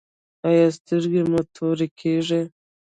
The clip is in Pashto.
ایا سترګې مو تورې کیږي؟